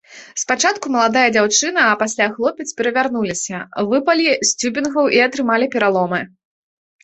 Спачатку маладая дзяўчына, а пасля хлопец перавярнуліся, выпалі з цюбінгаў і атрымалі пераломы.